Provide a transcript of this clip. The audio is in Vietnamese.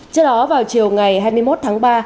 trước đó vào chiều ngày hai mươi một tháng ba